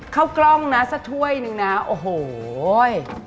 เข้ากล้องนะน้ำสระถ้วยหนึ่งน้าโอ้โห้ย